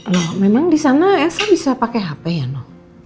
loh memang di sana saya bisa pakai hp ya no